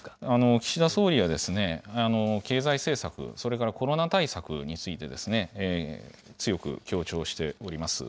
岸田総理は経済政策、それからコロナ対策についてですね、強く強調しております。